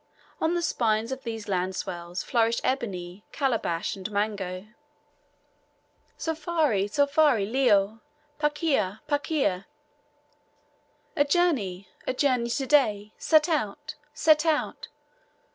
On the spines of these land swells flourish ebony, calabash, and mango. "Sofari sofari leo! Pakia, pakia!" "A journey a journey to day! Set out! set out!"